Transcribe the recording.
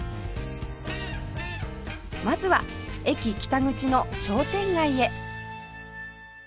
まずは駅北口の商店街へ